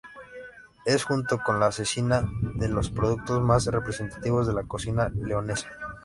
Es junto con la cecina de los productos más representativos de la cocina leonesa.